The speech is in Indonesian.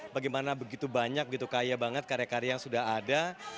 bagaimana begitu banyak gitu kaya banget karya karya yang sudah ada